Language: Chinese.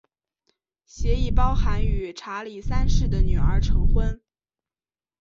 协议包含与查理三世的女儿成婚。